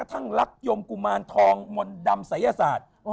กระทั่งรักยมกุมารทองมณดำใสยศาสตร์